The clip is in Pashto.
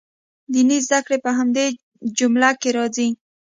دیني زده کړې په همدې جمله کې راځي.